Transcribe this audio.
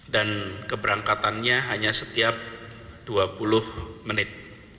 dan keberangkatannya hanya setiap dua puluh menit